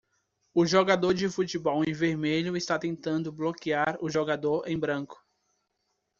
O jogador de futebol em vermelho está tentando bloquear o jogador em branco.